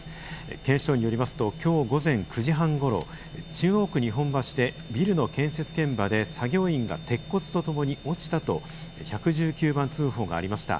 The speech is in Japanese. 警視庁によりますと、きょう午前９時半ごろ、中央区日本橋でビルの建設現場で作業員が鉄骨と共に落ちたと１１９番通報がありました。